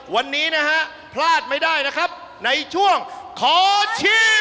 วันนี้นะฮะพลาดไม่ได้นะครับในช่วงขอชิม